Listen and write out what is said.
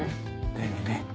だよね。